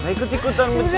ikut ikutan meceritanya